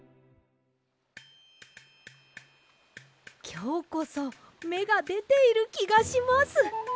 きょうこそめがでているきがします。